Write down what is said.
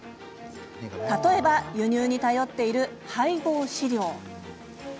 例えば、輸入に頼っている配合飼料。